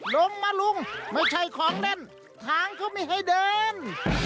ลงมาลุงไม่ใช่ของเล่นทางก็ไม่ให้เดิน